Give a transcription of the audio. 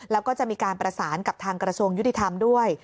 แล้วก็จะมีการประสานกับทางกระทรวงยุติธรรมด้วย